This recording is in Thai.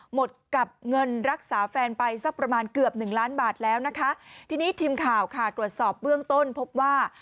หมดกับเงินรักษาแฟนไปสักประมาณเกือบหนึ่งล้านบาทแล้วนะคะทีนี้ทีมข่าวค่ะตรวจสอบเบื้องต้นพบว่า